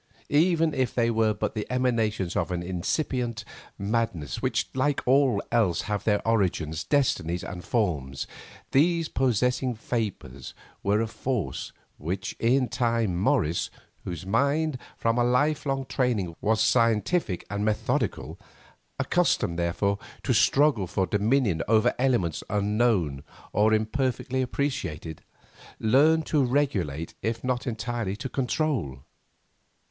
Even if they were but the emanations of an incipient madness which like all else have their origins, destinies, and forms, these possessing vapours were a force, which in time Morris, whose mind from a lifelong training was scientific and methodical, accustomed, moreover, to struggle for dominion over elements unknown or imperfectly appreciated, learned to regulate if not entirely to control.